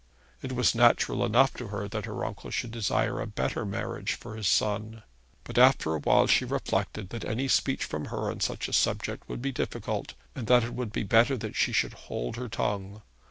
It was natural enough to her that her uncle should desire a better marriage for his son. But after a while she reflected that any speech from her on such a subject would be difficult, and that it would be better that she should hold her tongue.